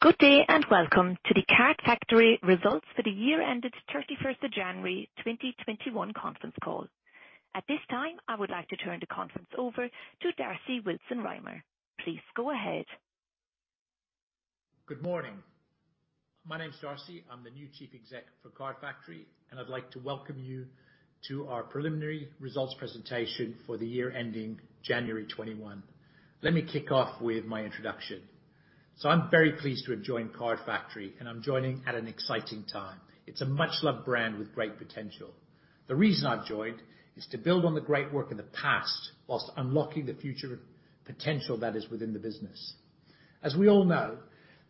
Good day, welcome to the Card Factory results for the year ended 31st of January 2021 conference call. At this time, I would like to turn the conference over to Darcy Willson-Rymer. Please go ahead. Good morning. My name's Darcy. I'm the new Chief Exec for Card Factory, and I'd like to welcome you to our preliminary results presentation for the year ending January 2021. Let me kick off with my introduction. I'm very pleased to have joined Card Factory, and I'm joining at an exciting time. It's a much-loved brand with great potential. The reason I've joined is to build on the great work of the past whilst unlocking the future potential that is within the business. As we all know,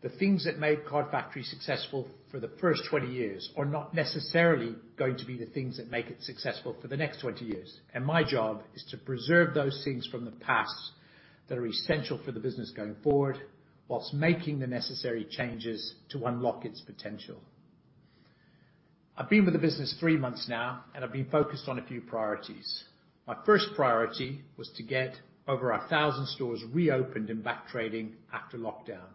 the things that made Card Factory successful for the first 20 years are not necessarily going to be the things that make it successful for the next 20 years. My job is to preserve those things from the past that are essential for the business going forward whilst making the necessary changes to unlock its potential. I've been with the business three months now, and I've been focused on a few priorities. My first priority was to get over 1,000 stores reopened and back trading after lockdown.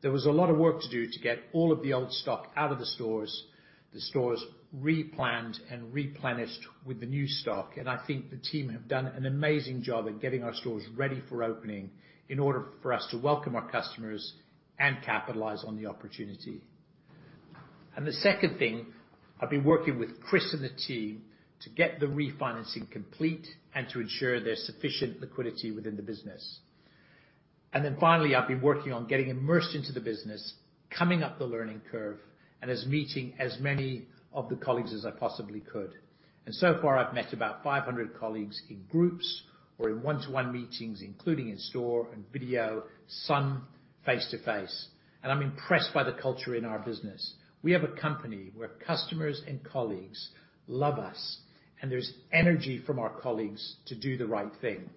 There was a lot of work to do to get all of the old stock out of the stores, the stores replanned and replenished with the new stock, and I think the team have done an amazing job of getting our stores ready for opening in order for us to welcome our customers and capitalize on the opportunity. The second thing, I've been working with Kris and the team to get the refinancing complete and to ensure there's sufficient liquidity within the business. Finally, I've been working on getting immersed into the business, coming up the learning curve, meeting as many of the colleagues as I possibly could. So far, I've met about 500 colleagues in groups or in one-to-one meetings, including in store and video, some face-to-face. I'm impressed by the culture in our business. We have a company where customers and colleagues love us, and there's energy from our colleagues to do the right thing.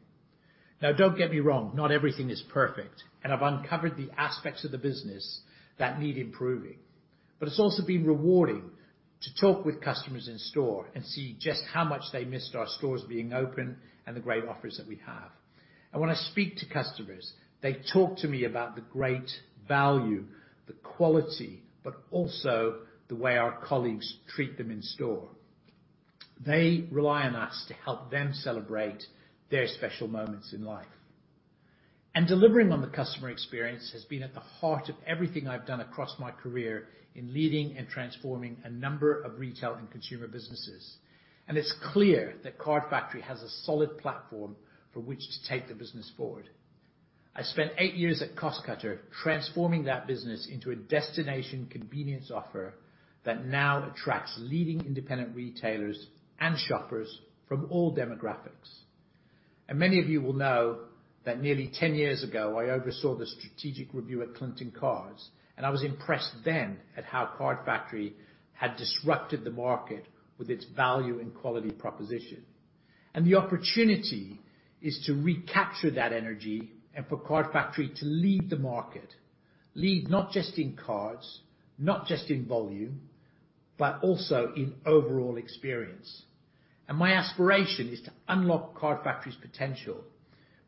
Now, don't get me wrong, not everything is perfect, and I've uncovered the aspects of the business that need improving. It's also been rewarding to talk with customers in store and see just how much they missed our stores being open and the great offers that we have. When I speak to customers, they talk to me about the great value, the quality, but also the way our colleagues treat them in store. They rely on us to help them celebrate their special moments in life. Delivering on the customer experience has been at the heart of everything I've done across my career in leading and transforming a number of retail and consumer businesses. It's clear that Card Factory has a solid platform for which to take the business forward. I spent eight years at Costcutter transforming that business into a destination convenience offer that now attracts leading independent retailers and shoppers from all demographics. Many of you will know that nearly 10 years ago, I oversaw the strategic review at Clinton Cards, and I was impressed then at how Card Factory had disrupted the market with its value and quality proposition. The opportunity is to recapture that energy and for Card Factory to lead the market. Lead not just in cards, not just in volume, but also in overall experience. My aspiration is to unlock Card Factory's potential.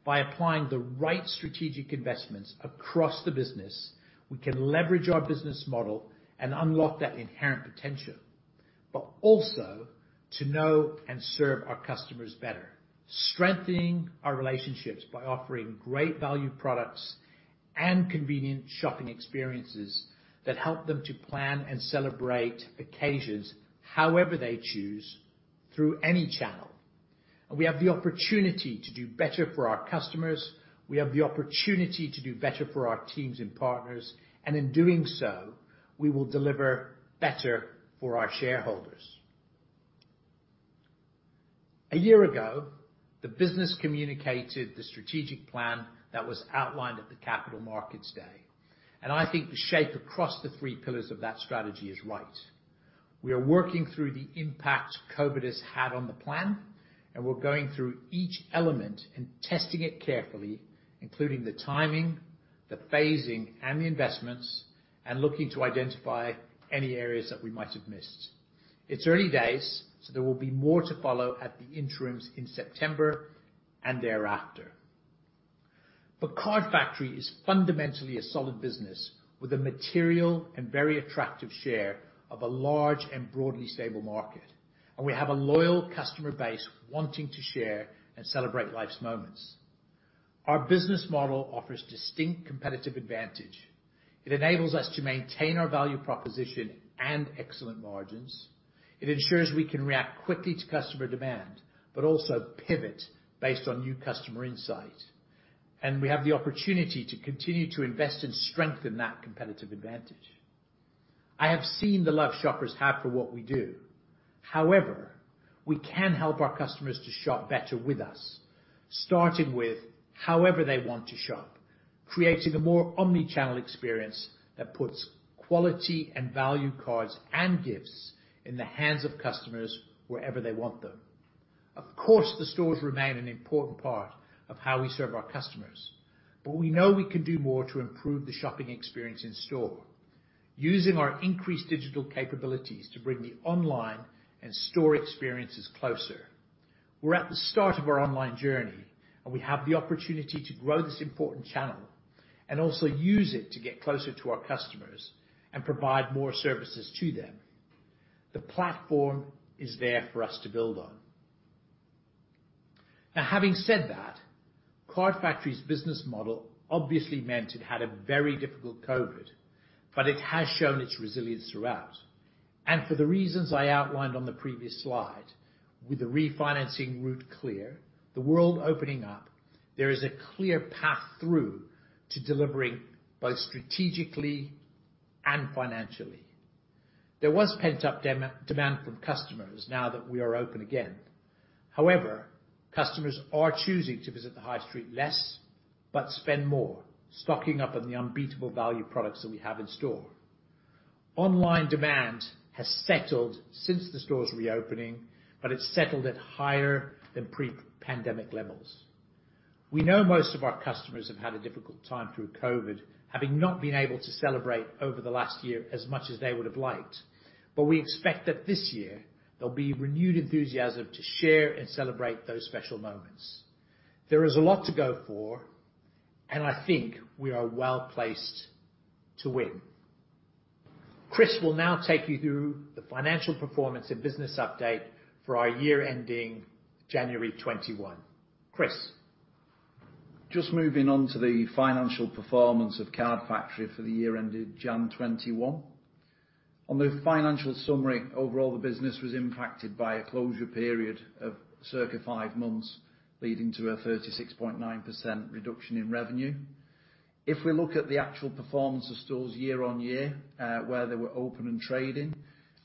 By applying the right strategic investments across the business, we can leverage our business model and unlock that inherent potential, but also to know and serve our customers better, strengthening our relationships by offering great value products and convenient shopping experiences that help them to plan and celebrate occasions however they choose through any channel. We have the opportunity to do better for our customers, we have the opportunity to do better for our teams and partners, and in doing so, we will deliver better for our shareholders. A year ago, the business communicated the strategic plan that was outlined at the Capital Markets Day. I think the shape across the three pillars of that strategy is right. We are working through the impact COVID has had on the plan, and we're going through each element and testing it carefully, including the timing, the phasing, and the investments, and looking to identify any areas that we might have missed. It's early days, there will be more to follow at the interims in September and thereafter. Card Factory is fundamentally a solid business with a material and very attractive share of a large and broadly stable market, and we have a loyal customer base wanting to share and celebrate life's moments. Our business model offers distinct competitive advantage. It enables us to maintain our value proposition and excellent margins. It ensures we can react quickly to customer demand, but also pivot based on new customer insight, and we have the opportunity to continue to invest and strengthen that competitive advantage. I have seen the love shoppers have for what we do. However, we can help our customers to shop better with us, starting with however they want to shop, creating a more omni-channel experience that puts quality and value cards and gifts in the hands of customers wherever they want them. Of course, the stores remain an important part of how we serve our customers, but we know we can do more to improve the shopping experience in store using our increased digital capabilities to bring the online and store experiences closer. We're at the start of our online journey, and we have the opportunity to grow this important channel and also use it to get closer to our customers and provide more services to them. The platform is there for us to build on. Having said that, Card Factory's business model obviously meant it had a very difficult COVID, but it has shown its resilience throughout. For the reasons I outlined on the previous slide, with the refinancing route clear, the world opening up, there is a clear path through to delivering both strategically and financially. There was pent-up demand from customers now that we are open again. However, customers are choosing to visit the high street less but spend more, stocking up on the unbeatable value products that we have in store. Online demand has settled since the stores reopening, but it's settled at higher than pre-pandemic levels. We know most of our customers have had a difficult time through COVID, having not been able to celebrate over the last year as much as they would have liked. We expect that this year there'll be renewed enthusiasm to share and celebrate those special moments. There is a lot to go for, and I think we are well-placed to win. Kris will now take you through the financial performance and business update for our year ending January 2021. Kris? Just moving on to the financial performance of Card Factory for the year ended January 2021. On the financial summary, overall, the business was impacted by a closure period of circa five months, leading to a 36.9% reduction in revenue. If we look at the actual performance of stores year-over-year, where they were open and trading,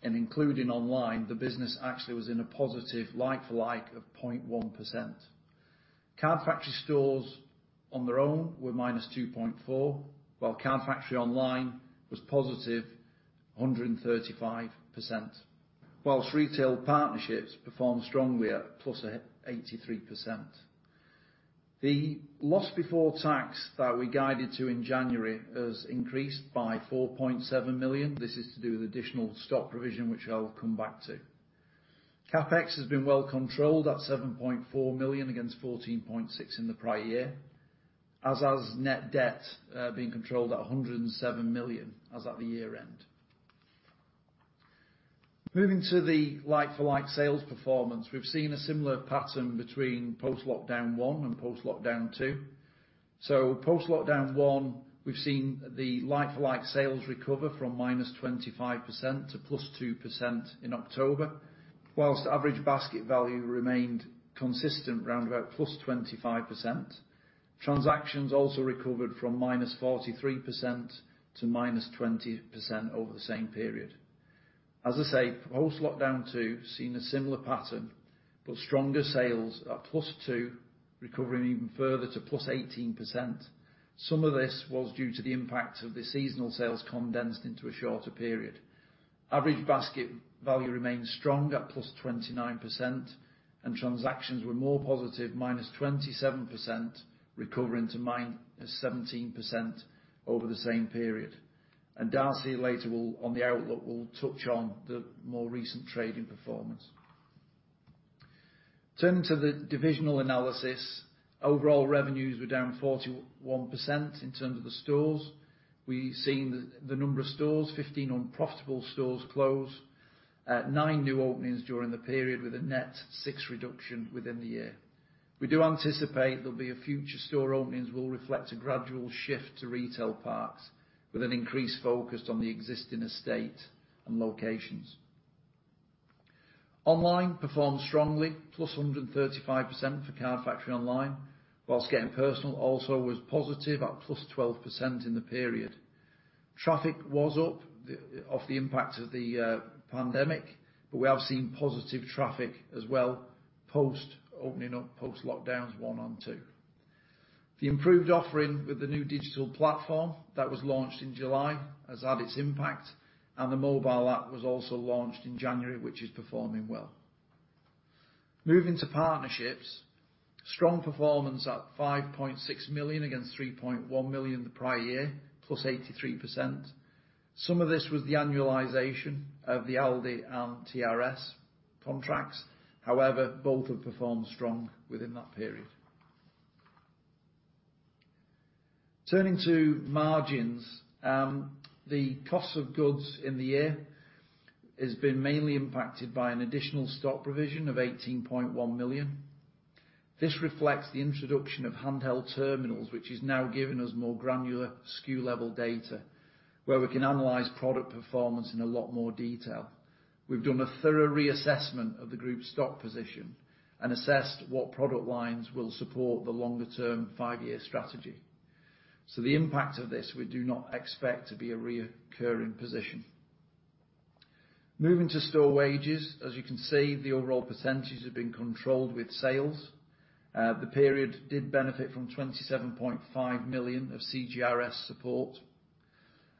and including online, the business actually was in a positive like-for-like of 0.1%. Card Factory stores on their own were -2.4%, while Card Factory online was +135%, whilst retail partnerships performed strongly at +83%. The loss before tax that we guided to in January has increased by 4.7 million. This is to do with additional stock provision, which I'll come back to. CapEx has been well controlled at 7.4 million against 14.6 million in the prior year, as has net debt being controlled at 107 million as at the year end. Moving to the like-for-like sales performance, we've seen a similar pattern between post-lockdown one and post-lockdown two. Post-lockdown one, we've seen the like-for-like sales recover from -25% to +2% in October, whilst average basket value remained consistent, around about +25%. Transactions also recovered from -43% to -20% over the same period. As I say, post-lockdown two seen a similar pattern, but stronger sales at +2%, recovering even further to +18%. Some of this was due to the impact of the seasonal sales condensed into a shorter period. Average basket value remained strong at +29%, and transactions were more positive, -27%, recovering to -17% over the same period. Darcy later will, on the outlook, will touch on the more recent trading performance. Turning to the divisional analysis, overall revenues were down 41% in terms of the stores. We've seen the number of stores, 15 unprofitable stores close, nine new openings during the period, with a net six reduction within the year. We do anticipate there'll be a future store openings will reflect a gradual shift to retail parks with an increased focus on the existing estate and locations. Online performed strongly, +135% for Card Factory online, whilst Getting Personal also was positive at +12% in the period. Traffic was up off the impact of the pandemic, we have seen positive traffic as well post opening up, post lockdowns one and two. The improved offering with the new digital platform that was launched in July has had its impact, the mobile app was also launched in January, which is performing well. Moving to partnerships, strong performance at 5.6 million against 3.1 million the prior year, +83%. Some of this was the annualization of the Aldi and TRS contracts. Both have performed strong within that period. Turning to margins, the cost of goods in the year has been mainly impacted by an additional stock provision of 18.1 million. This reflects the introduction of handheld terminals, which has now given us more granular SKU-level data where we can analyze product performance in a lot more detail. We've done a thorough reassessment of the group stock position and assessed what product lines will support the longer term five-year strategy. The impact of this we do not expect to be a reoccurring position. Moving to store wages, as you can see, the overall percentages have been controlled with sales. The period did benefit from 27.5 million of CJRS support,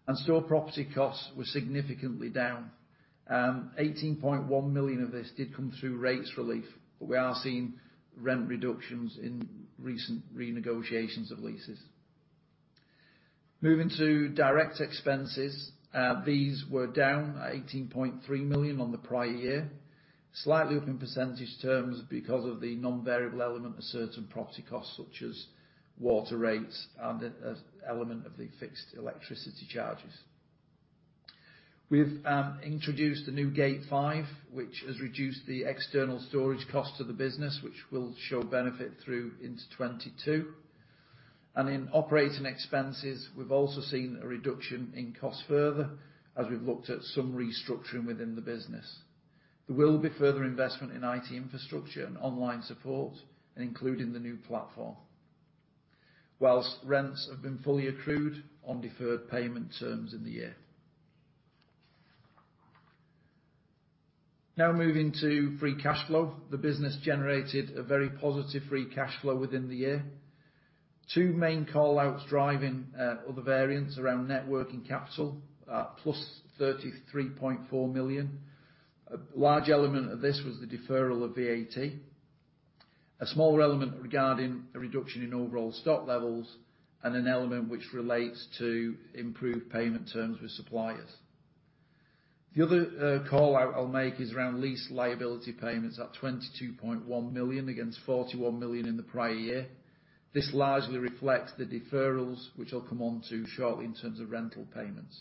and store property costs were significantly down. 18.1 million of this did come through rates relief. We are seeing rent reductions in recent renegotiations of leases. Moving to direct expenses, these were down 18.3 million on the prior year, slightly up in percentage terms because of the non-variable element of certain property costs such as water rates and an element of the fixed electricity charges. We've introduced the new Gate five, which has reduced the external storage cost of the business, which will show benefit through into 2022. In operating expenses, we've also seen a reduction in cost further as we've looked at some restructuring within the business. There will be further investment in IT infrastructure and online support, including the new platform. Whilst rents have been fully accrued on deferred payment terms in the year. Moving to free cash flow. The business generated a very positive free cash flow within the year. Two main callouts driving other variants around net working capital, +33.4 million. A large element of this was the deferral of VAT, a smaller element regarding a reduction in overall stock levels, and an element which relates to improved payment terms with suppliers. The other callout I'll make is around lease liability payments at 22.1 million against 41 million in the prior year. This largely reflects the deferrals which I'll come onto shortly in terms of rental payments.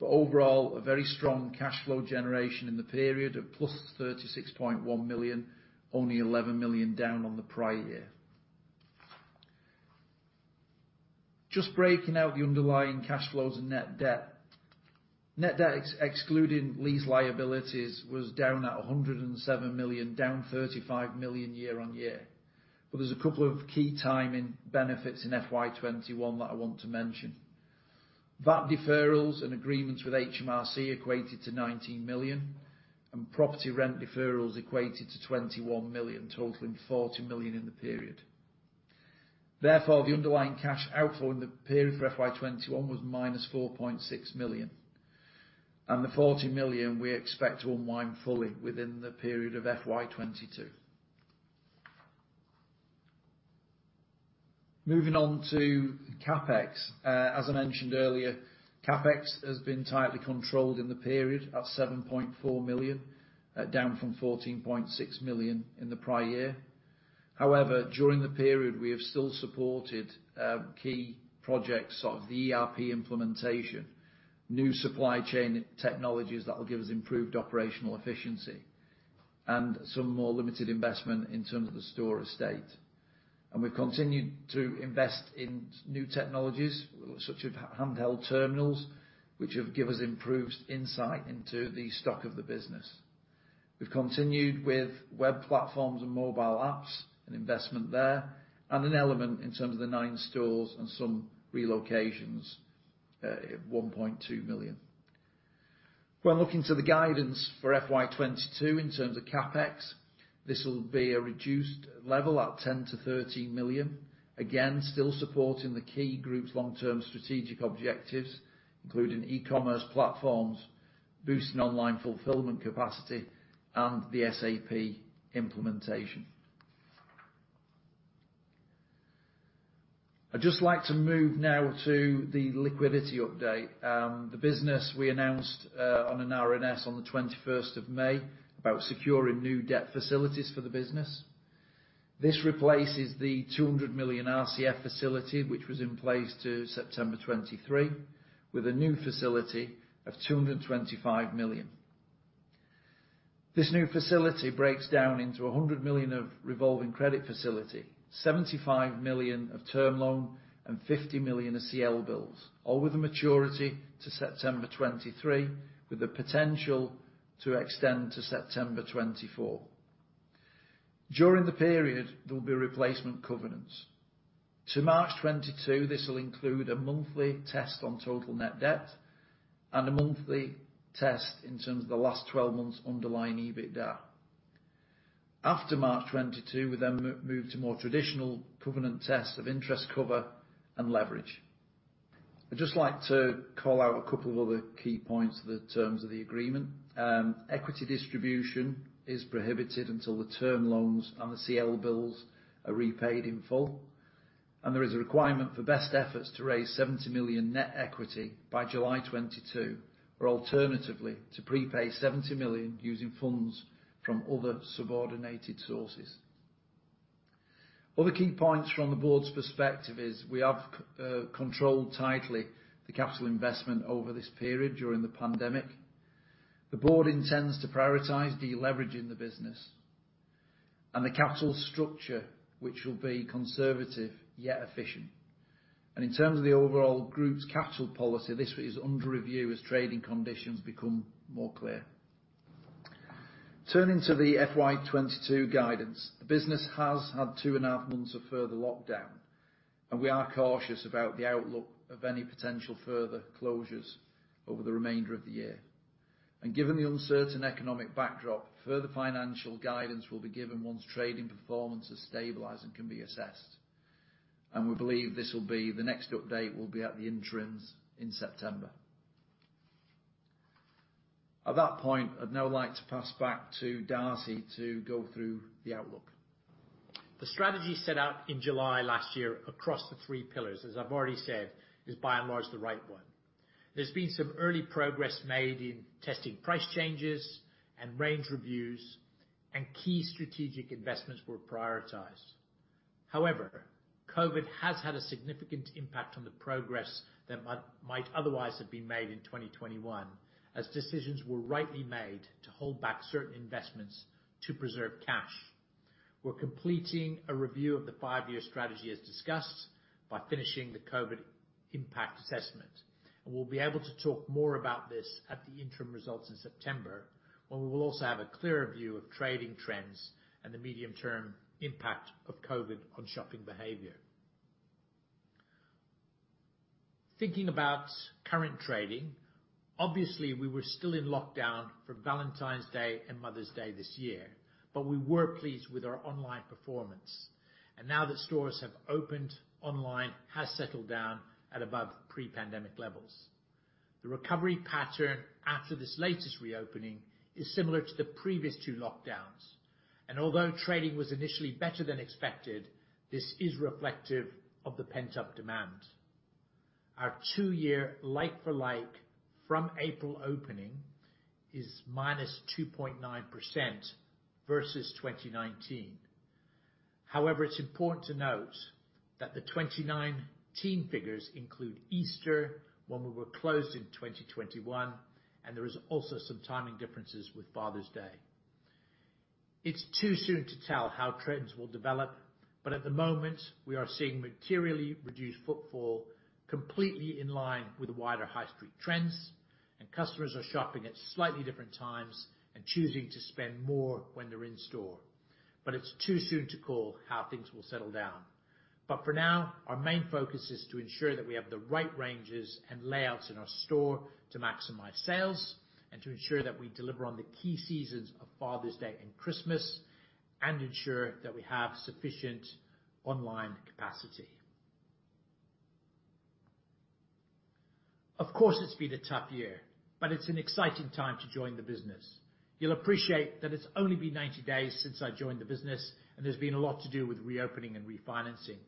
Overall, a very strong cash flow generation in the period at +36.1 million, only 11 million down on the prior year. Just breaking out the underlying cash flows and net debt. Net debt excluding lease liabilities was down at 107 million, down 35 million year-on-year. There's a couple of key timing benefits in FY 2021 that I want to mention. VAT deferrals and agreements with HMRC equated to 19 million, and property rent deferrals equated to 21 million, totaling 40 million in the period. The underlying cash outflow in the period for FY 2021 was -4.6 million, and the 40 million we expect to unwind fully within the period of FY 2022. Moving on to CapEx. As I mentioned earlier, CapEx has been tightly controlled in the period at 7.4 million, down from 14.6 million in the prior year. However, during the period, we have still supported key projects of the ERP implementation, new supply chain technologies that will give us improved operational efficiency, and some more limited investment in terms of the store estate. We've continued to invest in new technologies such as handheld terminals, which give us improved insight into the stock of the business. We've continued with web platforms and mobile apps, an investment there, and an element in terms of the nine stores and some relocations at 1.2 million. When looking to the guidance for FY 2022 in terms of CapEx, this will be a reduced level at 10 million-13 million. Again, still supporting the key group's long term strategic objectives, including e-commerce platforms, boosting online fulfillment capacity, and the SAP implementation. I'd just like to move now to the liquidity update. The business we announced on an RNS on the 21st of May about securing new debt facilities for the business. This replaces the 200 million RCF facility which was in place to September 2023, with a new facility of 225 million. This new facility breaks down into 100 million of revolving credit facility, 75 million of term loan, and 50 million of CLBILS, all with a maturity to September 2023, with the potential to extend to September 2024. During the period, there'll be replacement covenants. To March 2022, this will include a monthly test on total net debt and a monthly test in terms of the last 12 months underlying EBITDA. After March 2022, we then move to more traditional covenant tests of interest cover and leverage. I'd just like to call out a couple of other key points of the terms of the agreement. Equity distribution is prohibited until the term loans and the CLBILS are repaid in full, and there is a requirement for best efforts to raise 70 million net equity by July 2022, or alternatively, to prepay 70 million using funds from other subordinated sources. Other key points from the board's perspective is we have controlled tightly the capital investment over this period during the pandemic. The board intends to prioritize de-leveraging the business and the capital structure, which will be conservative yet efficient. In terms of the overall group's capital policy, this is under review as trading conditions become more clear. Turning to the FY 2022 guidance. The business has had two and a half months of further lockdown, and we are cautious about the outlook of any potential further closures over the remainder of the year. Given the uncertain economic backdrop, further financial guidance will be given once trading performance has stabilized and can be assessed. We believe the next update will be at the interims in September. At that point, I'd now like to pass back to Darcy to go through the outlook. The strategy set out in July last year across the three pillars, as I've already said, is by and large the right one. There's been some early progress made in testing price changes and range reviews, and key strategic investments were prioritized. However, COVID has had a significant impact on the progress that might otherwise have been made in 2021, as decisions were rightly made to hold back certain investments to preserve cash. We're completing a review of the five-year strategy as discussed by finishing the COVID impact assessment, and we'll be able to talk more about this at the interim results in September when we will also have a clearer view of trading trends and the medium-term impact of COVID on shopping behavior. Thinking about current trading, obviously, we were still in lockdown for Valentine's Day and Mother's Day this year, but we were pleased with our online performance. Now that stores have opened, online has settled down at above pre-pandemic levels. The recovery pattern after this latest reopening is similar to the previous two lockdowns, and although trading was initially better than expected, this is reflective of the pent-up demand. Our two-year like-for-like from April opening is -2.9% versus 2019. It's important to note that the 2019 figures include Easter when we were closed in 2021, and there was also some timing differences with Father's Day. It's too soon to tell how trends will develop, but at the moment we are seeing materially reduced footfall, completely in line with the wider high street trends, and customers are shopping at slightly different times and choosing to spend more when they're in store. It's too soon to call how things will settle down. For now, our main focus is to ensure that we have the right ranges and layouts in our store to maximize sales and to ensure that we deliver on the key seasons of Father's Day and Christmas and ensure that we have sufficient online capacity. Of course, it's been a tough year, but it's an exciting time to join the business. You'll appreciate that it's only been 90 days since I joined the business, and there's been a lot to do with reopening and refinancing.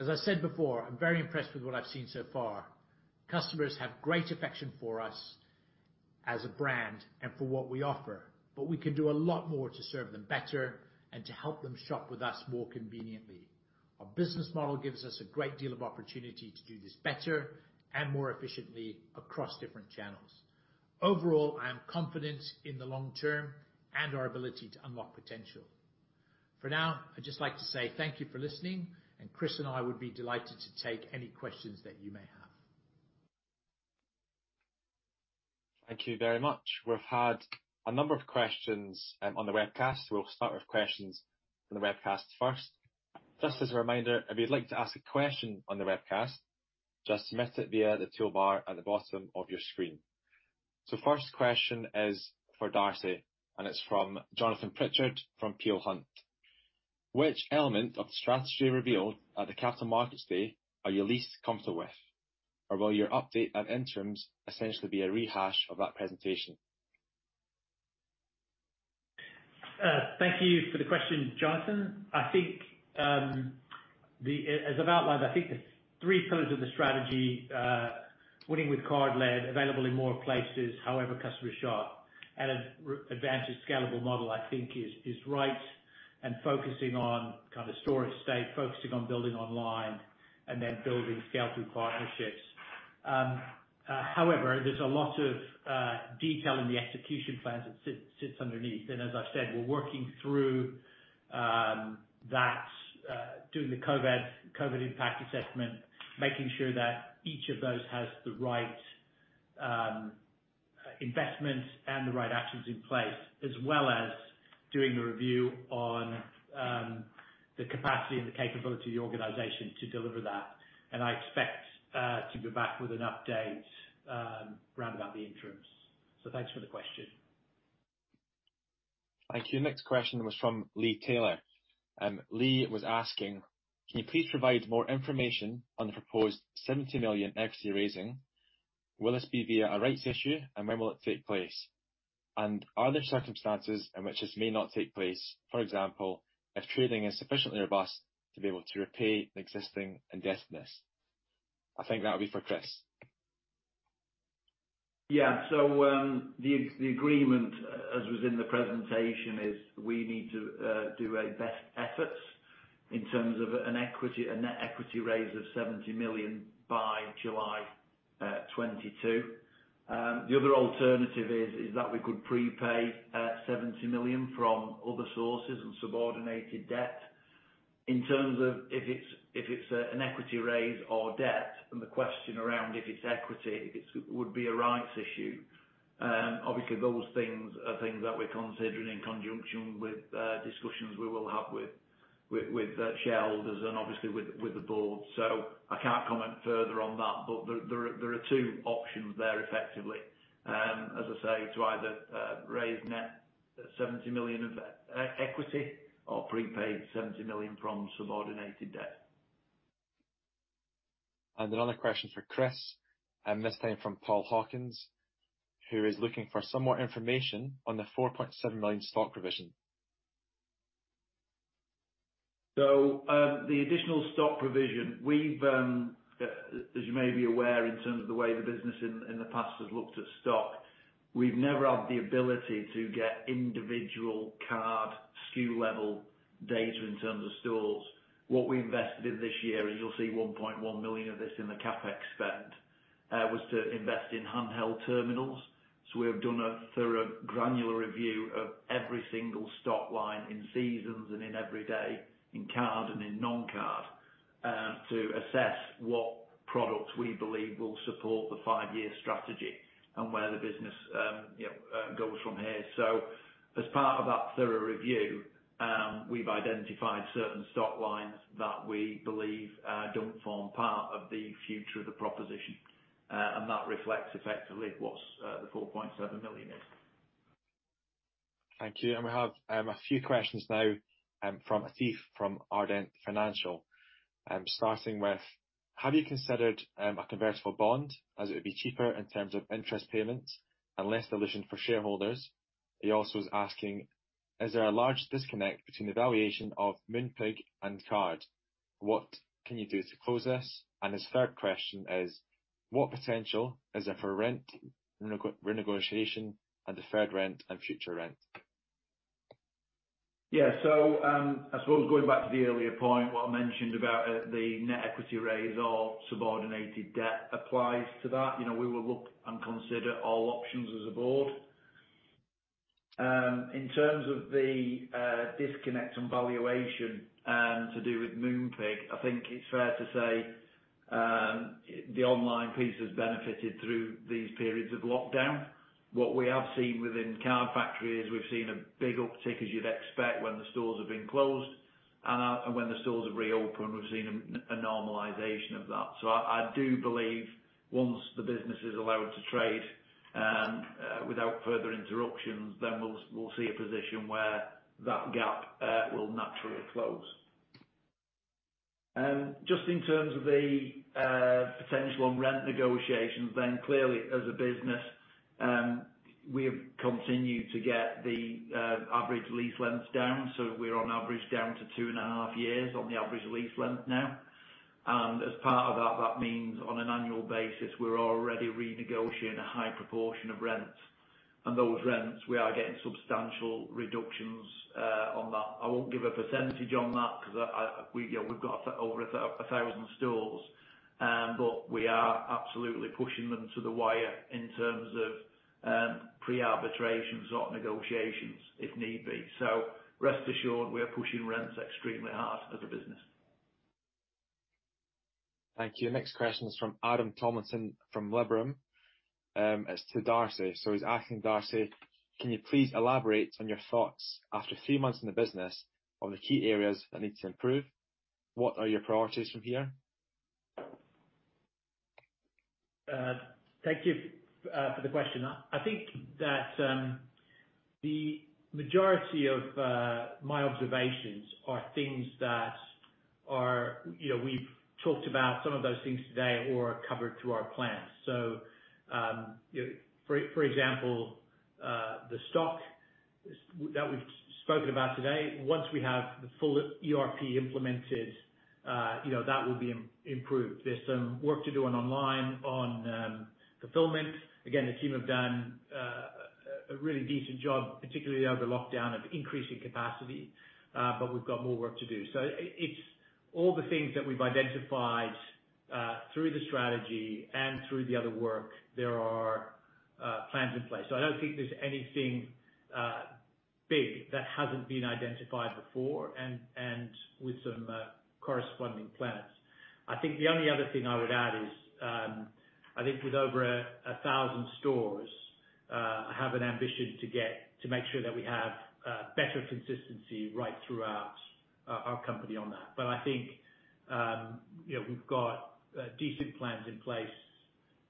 As I said before, I'm very impressed with what I've seen so far. Customers have great affection for us as a brand and for what we offer, but we can do a lot more to serve them better and to help them shop with us more conveniently. Our business model gives us a great deal of opportunity to do this better and more efficiently across different channels. Overall, I am confident in the long term and our ability to unlock potential. For now, I'd just like to say thank you for listening, and Kris and I would be delighted to take any questions that you may have. Thank you very much. We've had a number of questions on the webcast. We'll start with questions from the webcast first. Just as a reminder, if you'd like to ask a question on the webcast, just submit it via the toolbar at the bottom of your screen. First question is for Darcy, and it's from Jonathan Pritchard from Peel Hunt. Which element of the strategy revealed at the Capital Markets Day are you least comfortable with? Or will your update at interims essentially be a rehash of that presentation? Thank you for the question, Jonathan. As I've outlined, I think the three pillars of the strategy, winning with card led, available in more places, however customers shop, and advanced and scalable model, I think is right, and focusing on storage state, focusing on building online, and then building scale through partnerships. However, there's a lot of detail in the execution plans that sits underneath. As I said, we're working through that, doing the COVID impact assessment, making sure that each of those has the right investments and the right actions in place, as well as doing a review on the capacity and capability of the organization to deliver that. I expect to be back with an update round about the interims. Thanks for the question. Thank you. Next question was from Lee Taylor. Lee was asking, "Can you please provide more information on the proposed 70 million equity raising? Will this be via a rights issue, when will it take place? Are there circumstances in which this may not take place, for example, if trading is sufficiently robust to be able to repay existing indebtedness?" I think that'll be for Kris. The agreement, as was in the presentation, is we need to do our best efforts in terms of a net equity raise of 70 million by July 2022. The other alternative is that we could prepay 70 million from other sources of subordinated debt. In terms of if it's an equity raise or debt, and the question around if it's equity, it would be a rights issue. Obviously, those things are things that we're considering in conjunction with discussions we will have with the shareholders and obviously with the board. I can't comment further on that, but there are two options there effectively. As I say, to either raise net 70 million of equity or prepaid 70 million from subordinated debt. Another question for Kris, and this came from Paul Hawkins, who is looking for some more information on the 4.7 million stock provision. The additional stock provision, as you may be aware in terms of the way the business in the past has looked at stock, we've never had the ability to get individual card SKU level data in terms of stores. What we invested in this year is, you'll see 1.1 million of this in the CapEx spend, was to invest in handheld terminals. We have done a thorough granular review of every single stock line in Seasons and in Everyday, in card and in non-card, to assess what products we believe will support the five-year strategy and where the business goes from here. As part of that thorough review, we've identified certain stock lines that we believe don't form part of the future of the proposition. That reflects effectively what the 4.7 million is. Thank you. We have a few questions now from Atif from Ardent Financial. Starting with, have you considered a convertible bond as it would be cheaper in terms of interest payments and less dilutive for shareholders? He also is asking, is there a large disconnect between the valuation of Moonpig and Card? What can you do to close this? His third question is, what potential is there for rent renegotiation and deferred rent and future rent? Yeah. I suppose going back to the earlier point, what I mentioned about the net equity raise or subordinated debt applies to that. We will look and consider all options as a board. In terms of the disconnect on valuation to do with Moonpig, I think it's fair to say the online piece has benefited through these periods of lockdown. What we have seen within Card Factory is we've seen a big uptick as you'd expect when the stores have been closed, and when the stores have reopened, we've seen a normalization of that. I do believe once the business is allowed to trade without further interruptions, then we'll see a position where that gap will naturally close. Just in terms of the potential on rent negotiations, then clearly as a business, we have continued to get the average lease lengths down. We're on average down to two and a half years on the average lease length now. As part of that means on an annual basis, we're already renegotiating a high proportion of rents. Those rents, we are getting substantial reductions on that. I won't give a percentage on that because we've got over 1,000 stores, but we are absolutely pushing them to the wire in terms of pre-arbitrations or negotiations if need be. Rest assured we are pushing rents extremely hard as a business. Thank you. Next question is from Adam Tomlinson from Liberum. It's to Darcy. He's asking Darcy, can you please elaborate on your thoughts after three months in the business on the key areas that need to improve? What are your priorities from here? Thank you for the question. I think that the majority of my observations are things that we've talked about some of those things today or are covered through our plans. For example, the stock that we've spoken about today, once we have the full ERP implemented that will be improved. There's some work to do on online on fulfillment. Again, the team have done a really decent job, particularly over the lockdown of increasing capacity, but we've got more work to do. It's all the things that we've identified through the strategy and through the other work, there are plans in place. I don't think there's anything big that hasn't been identified before and with some corresponding plans. I think the only other thing I would add is, I think with over 1,000 stores, I have an ambition to make sure that we have better consistency right throughout our company on that. I think we've got decent plans in place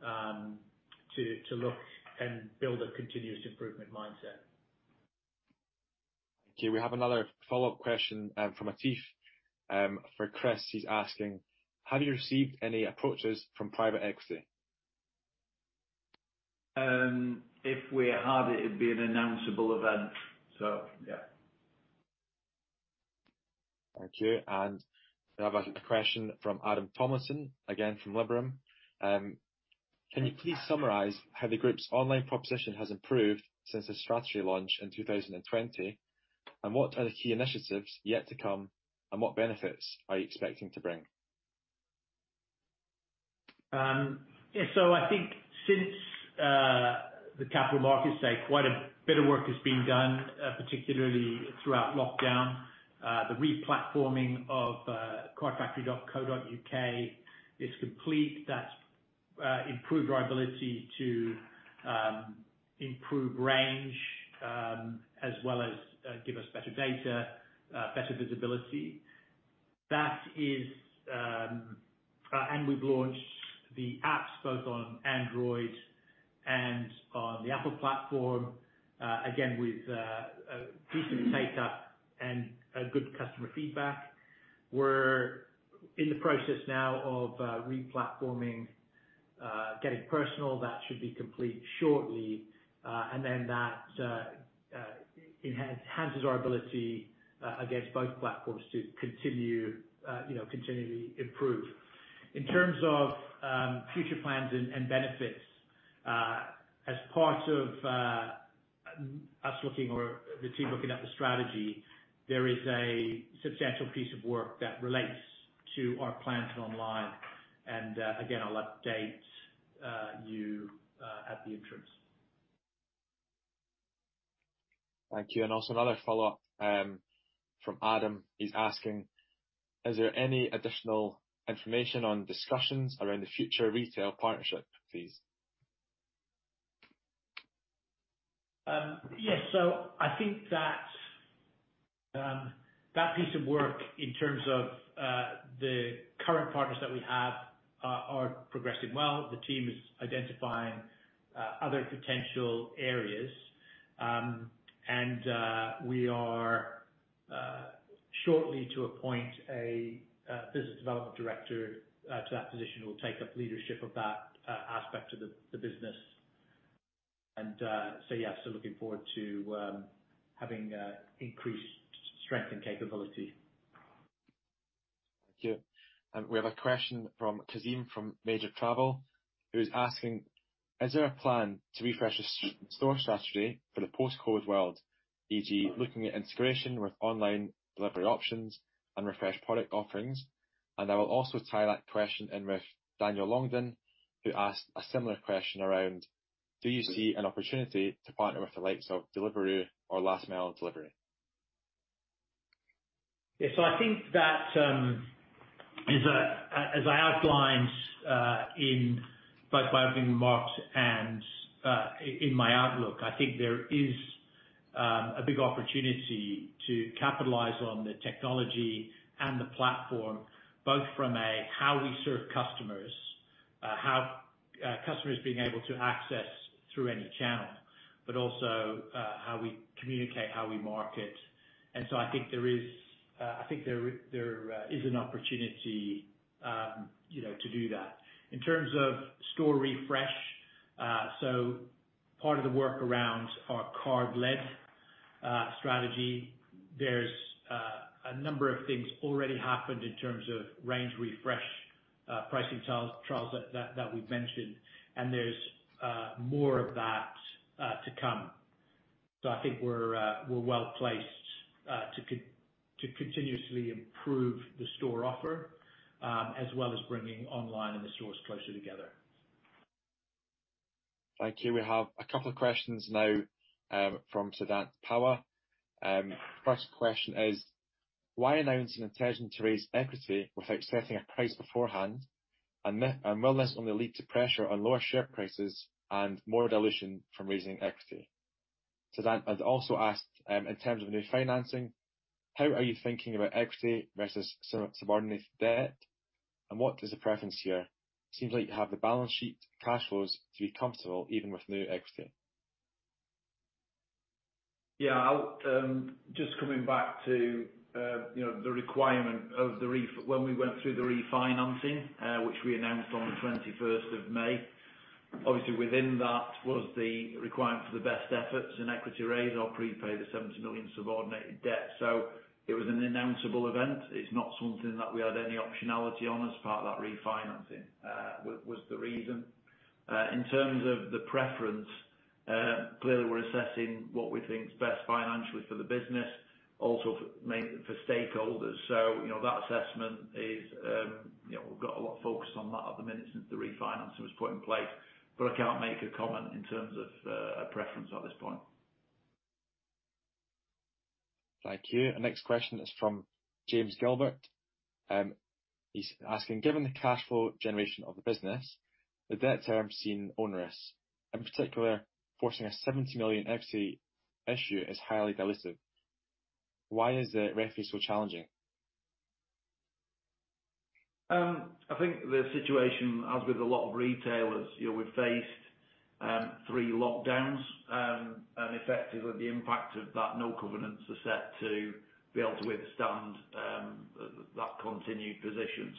to look and build a continuous improvement mindset. Okay. We have another follow-up question from Atif for Kris. He's asking, have you received any approaches from private equity? If we had, it would be an announceable event. Yes. Thank you. We have a question from Adam Tomlinson, again from Liberum. Can you please summarize how the group's online proposition has improved since the strategy launch in 2020, and what are the key initiatives yet to come, and what benefits are you expecting to bring? I think since the Capital Markets Day, quite a bit of work has been done, particularly throughout lockdown. The re-platforming of cardfactory.co.uk is complete. That's improved our ability to improve range, as well as give us better data, better visibility. We've launched the apps both on Android and on the Apple platform, again, with decent take up and good customer feedback. We're in the process now of re-platforming Getting Personal. That should be complete shortly, and then that enhances our ability against both platforms to continually improve. In terms of future plans and benefits, as part of the team looking at the strategy, there is a substantial piece of work that relates to our plans online, and again, I'll update you at the interim. Thank you. Also, another follow-up from Adam, he's asking, is there any additional information on discussions around the future of retail partnership, please? Yes. I think that piece of work in terms of the current partners that we have are progressing well. The team is identifying other potential areas. We are shortly to appoint a business development director to that position who will take up leadership of that aspect of the business. Yes, looking forward to having increased strength and capability. Thank you. We have a question from Kazeem from Major Travel, who's asking, is there a plan to refresh the store strategy for the post-COVID world, e.g., looking at integration with online delivery options and refreshed product offerings? I will also tie that question in with Daniel Longden, who asked a similar question around do you see an opportunity to partner with the likes of Deliveroo or last mile delivery? Yes, as I outlined both by opening remarks and in my outlook, I think there is a big opportunity to capitalize on the technology and the platform, both from a how we serve customers, have customers being able to access through any channel, but also how we communicate, how we market. I think there is an opportunity to do that. In terms of store refresh, so part of the work around our card-led strategy, there's a number of things already happened in terms of range refresh, pricing trials that we've mentioned, and there's more of that to come. I think we're well placed to continuously improve the store offer, as well as bringing online and the stores closer together. Thank you. We have a couple of questions now from Siddhant Palwa. First question is, why announce an intention to raise equity without setting a price beforehand, and will this only lead to pressure on lower share prices and more dilution from raising equity? Siddhant had also asked, in terms of new financing, how are you thinking about equity versus subordinated debt, and what is the preference here? Seems like you have the balance sheet, cash flows to be comfortable even with new equity. Yeah, just coming back to when we went through the refinancing, which we announced on the 21st of May. Within that was the requirement for the best efforts in equity raise or prepay the 70 million subordinated debt. It was an announceable event. It's not something that we had any optionality on as part of that refinancing, was the reason. In terms of the preference, clearly we're assessing what we think is best financially for the business, also for stakeholders. That assessment is, we've got a lot of focus on that at the minute since the refinance was put in place. I can't make a comment in terms of a preference at this point. Thank you. The next question is from James Gilbert. He's asking, given the cash flow generation of the business, the debt terms seem onerous. In particular, forcing a 70 million equity issue is highly dilutive. Why is the refi so challenging? I think the situation, as with a lot of retailers, we faced three lockdowns, and effectively the impact of that, no covenants are set to be able to withstand that continued position.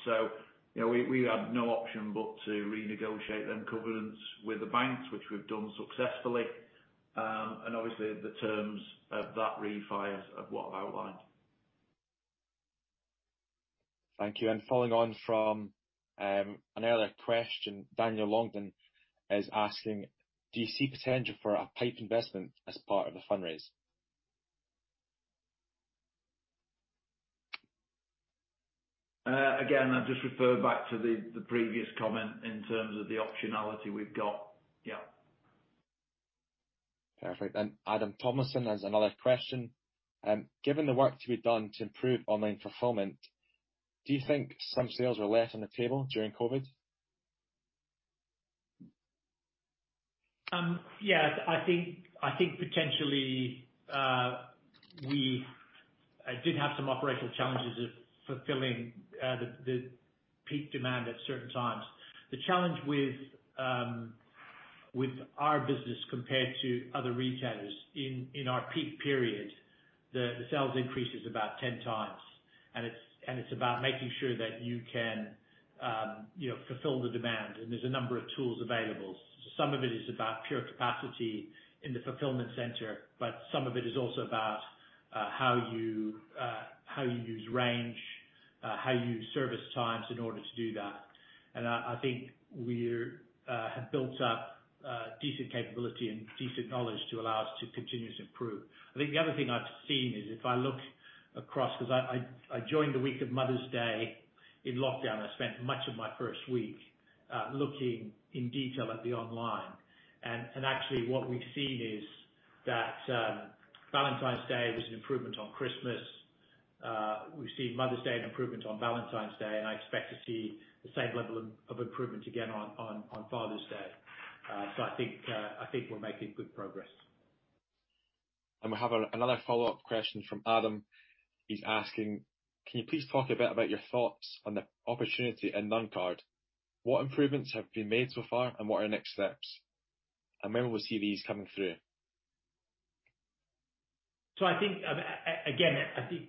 We had no option but to renegotiate them covenants with the banks, which we've done successfully. Obviously the terms of that refi are what I've outlined. Thank you. Following on from an earlier question, Daniel Longden is asking, do you see potential for a PIPE investment as part of the fundraise? I'd just refer back to the previous comment in terms of the optionality we've got. Yeah. Perfect. Adam Tomlinson has another question. Given the work to be done to improve online fulfillment, do you think some sales are left on the table during COVID? Yes. I think potentially we did have some operational challenges of fulfilling the peak demand at certain times. The challenge with our business compared to other retailers, in our peak period, the sales increase is about 10 times, it's about making sure that you can fulfill the demand. There's a number of tools available. Some of it is about pure capacity in the fulfillment center, some of it is also about how you use range, how you use service science in order to do that. I think we have built up decent capability and decent knowledge to allow us to continue to improve. I think the other thing I've seen is if I look across, because I joined the week of Mother's Day in lockdown. I spent much of my first week looking in detail at the online. Actually, what we've seen is that Valentine's Day was an improvement on Christmas. We've seen Mother's Day an improvement on Valentine's Day. I expect to see the same level of improvement again on Father's Day. I think we're making good progress. We have another follow-up question from Adam. He's asking, can you please talk a bit about your thoughts on the opportunity in non-card? What improvements have been made so far, and what are your next steps? When will we see these coming through? I think, again, I think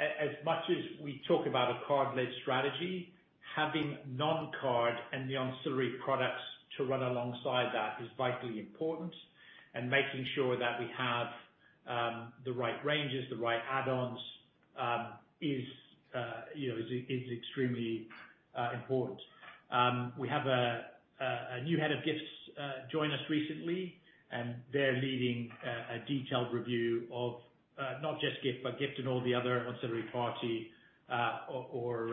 as much as we talk about a card-led strategy, having non-card and non-celebratory products to run alongside that is vitally important, and making sure that we have the right ranges, the right add-ons is extremely important. We have a new head of gifts join us recently, and they're leading a detailed review of not just gift, but gift and all the other celebratory party or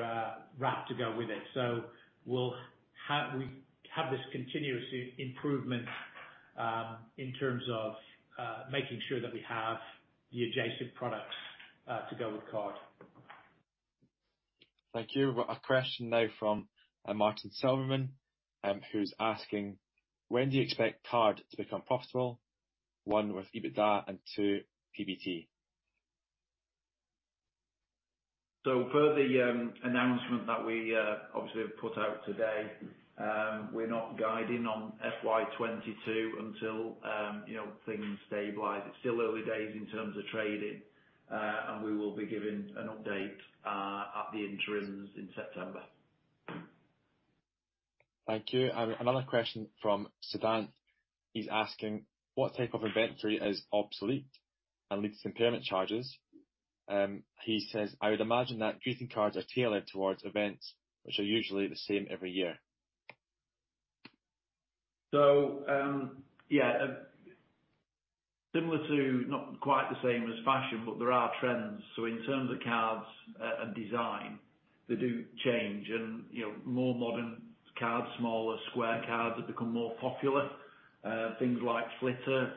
wrap to go with it. We have this continuous improvement in terms of making sure that we have the adjacent products to go with card. Thank you. We've got a question now from Martin Solomon, who's asking, when do you expect card to become profitable? One, with EBITDA and two, PBT. Per the announcement that we obviously have put out today, we're not guiding on FY 2022 until things stabilize. It's still early days in terms of trading, and we will be giving an update at the interims in September. Thank you. Another question from Siddhant. He is asking, what type of inventory is obsolete and leads to impairment charges? He says, I would imagine that greeting cards are tailored towards events which are usually the same every year. Yeah, similar to, not quite the same as fashion, but there are trends. In terms of cards and design, they do change and more modern cards, smaller square cards have become more popular. Things like glitter,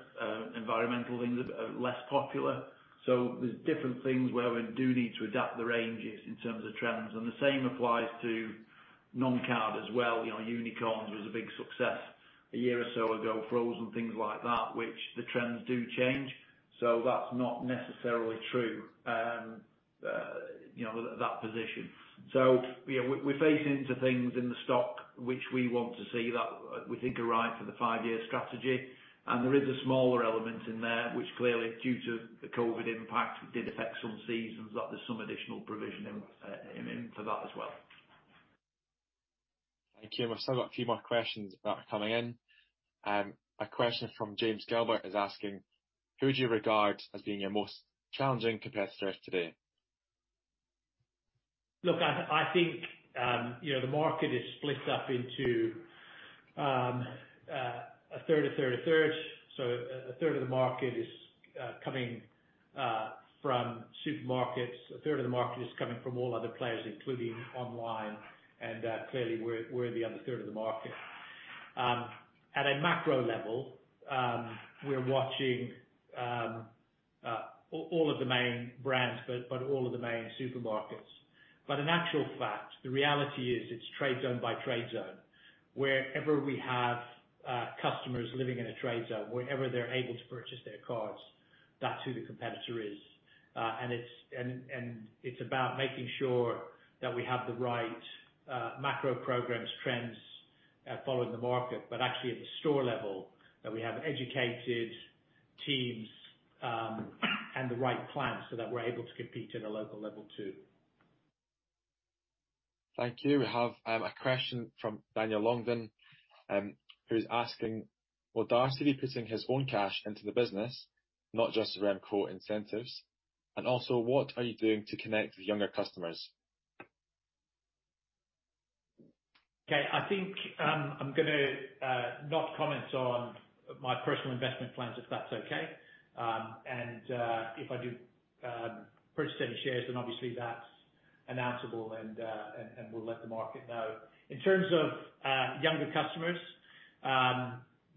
environmental things are less popular. There's different things where we do need to adapt the ranges in terms of trends, and the same applies to non-card as well. Unicorns was a big success a year or so ago, Frozen, things like that, which the trends do change. That's not necessarily true, that position. We're facing into things in the stock, which we want to see, that we think are right for the five-year strategy. There is a smaller element in there, which clearly due to the COVID impact did affect some seasons, that there's some additional provision in for that as well. Thank you. I've still got a few more questions about coming in. A question from James Gilbert is asking, who do you regard as being your most challenging competitor today? Look, I think, the market is split up into a 1/3, a 1/3, a 1/3. A 1/3 of the market is coming from supermarkets. A 1/3 of the market is coming from all other players, including online, and clearly we're the other 1/3 of the market. At a macro level, we're watching all of the main brands, but all of the main supermarkets. In actual fact, the reality is it's trade zone by trade zone. Wherever we have customers living in a trade zone, wherever they're able to purchase their cards, that's who the competitor is. It's about making sure that we have the right macro programs, trends following the market, but actually at the store level, that we have educated teams, and the right plan so that we're able to compete at a local level, too. Thank you. We have a question from Daniel Longden, who's asking, will Darcy be putting his own cash into the business, not just around quote, "incentives"? Also, what are you doing to connect with younger customers? Okay. I think I'm going to not comment on my personal investment plans, if that's okay. If I do purchase any shares then obviously that's announceable and we'll let the market know. In terms of younger customers,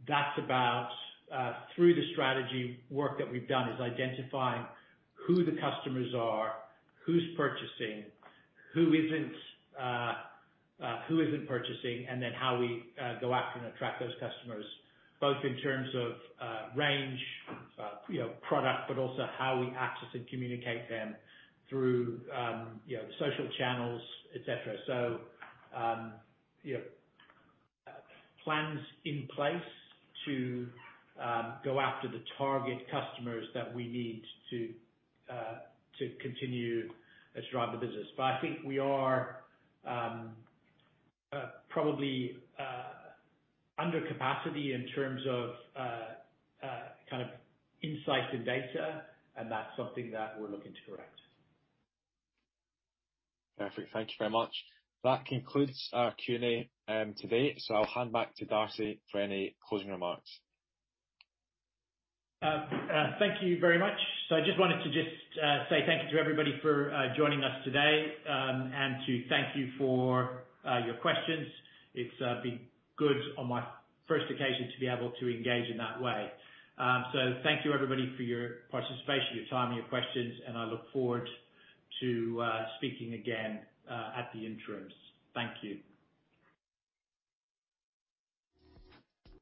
that's about through the strategy work that we've done is identifying who the customers are, who's purchasing, who isn't purchasing, and then how we go out and attract those customers, both in terms of range, product, but also how we access and communicate then through social channels, et cetera. Plans in place to go after the target customers that we need to continue to drive the business. I think we are probably under capacity in terms of insight and data, and that's something that we're looking to correct. Perfect. Thank you very much. That concludes our Q&A today. I'll hand back to Darcy for any closing remarks. Thank you very much. I just wanted to say thank you to everybody for joining us today, and to thank you for your questions. It's been good on my first occasion to be able to engage in that way. Thank you everybody for your participation, your time, your questions, and I look forward to speaking again at the interims. Thank you.